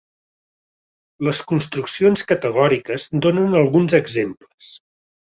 Les construccions categòriques donen alguns exemples.